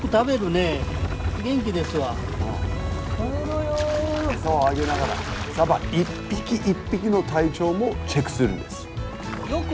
エサをあげながらサバ一匹一匹の体調もチェックするんです。